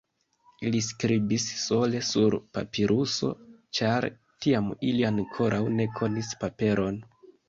Ili skribis sole sur papiruso, ĉar tiam ili ankoraŭ ne konis paperon.